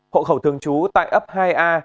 hộ khẩu thường trú tại ấp hai a